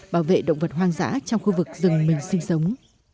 bảo vệ động vật hoang dã trong khu vực rừng mình sinh sống